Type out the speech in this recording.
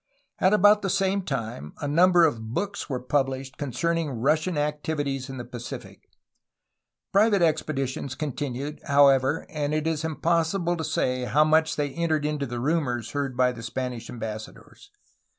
At about the same time a number of books were published concerning Russian activities in the Pacific. Private expeditions continued, however, and it is impossible to say how much they entered into the rumors heard by the Spanish ambassadors.